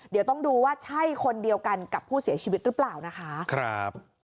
เดี๋ยวต้องดูว่าใช่คนเดียวกันกับผู้เสียชีวิตหรือเปล่านะคะ